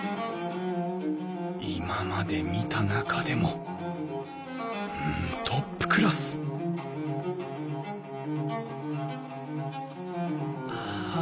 今まで見た中でもうんトップクラスああ